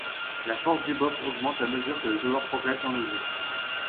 La force du boss augmente à mesure que le joueur progresse dans le jeu.